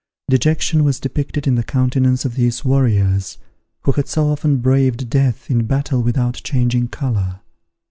Dejection was depicted in the countenance of these warriors, who had so often braved death in battle without changing colour.